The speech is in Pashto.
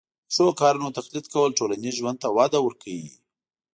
د ښو کارونو تقلید کول ټولنیز ژوند ته وده ورکوي.